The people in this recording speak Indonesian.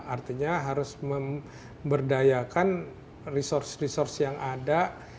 artinya harus memberdayakan resource resource yang ada